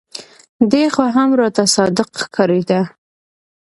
دى خو هم راته صادق ښکارېده.